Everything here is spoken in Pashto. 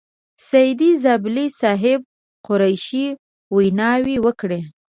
سعید زابلي صاحب، قریشي ویناوې وکړې.